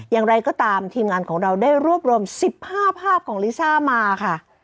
อย่างไรก็ตามทีมงานของเราได้รวบรวม๑๕ภาพของลิซ่ามาค่ะ